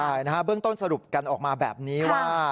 ใช่นะฮะเบื้องต้นสรุปกันออกมาแบบนี้ว่า